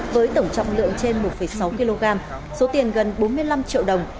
với tổng trọng lượng trên một sáu kg số tiền gần bốn mươi năm triệu đồng